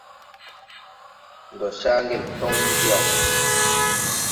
Ndɔ caa ŋgel tɔŋ mbuh yaw ?